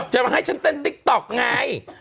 จะมาให้ฉันเต้นติ๊กต๊อกไง